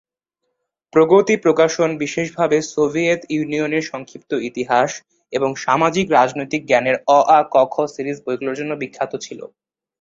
প্রগতি প্রকাশন বিশেষভাবে "সোভিয়েত ইউনিয়নের সংক্ষিপ্ত ইতিহাস" এবং সামাজিক-রাজনৈতিক জ্ঞানের অ-আ-ক-খ সিরিজ বইগুলোর জন্য বিখ্যাত ছিল।